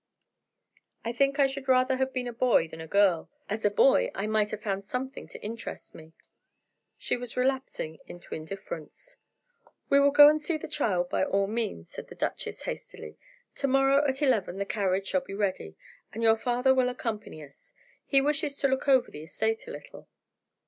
I think I should rather have been a boy than a girl. As a boy I might have found something to interest me." She was relapsing into indifference. "We will go and see the child by all means," said the duchess, hastily. "To morrow at eleven the carriage shall be ready, and your father will accompany us; he wishes to look over the estate a little."